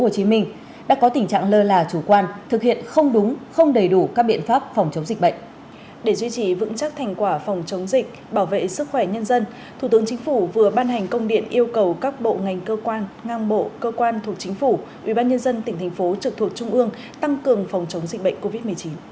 ubnd tỉnh thành phố trực thuộc trung ương tăng cường phòng chống dịch bệnh covid một mươi chín